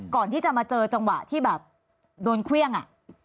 ก่อนที่จะมาเจอจังหวะที่แบบโดนเครื่องอ่ะ